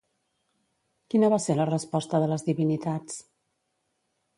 Quina va ser la resposta de les divinitats?